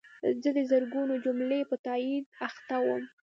زه د زرګونو جملو په تایید اخته وم.